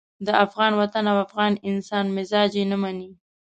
د افغان وطن او افغان انسان مزاج یې نه مني.